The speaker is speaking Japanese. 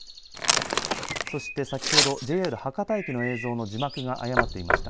そして、先ほどＪＲ博多駅の映像の字幕が誤っていました。